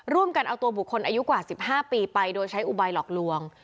ร่วมกันเอาตัวบุคคลอายุกว่า๑๕ปีไปโดยใช้อุบายหลอกลวง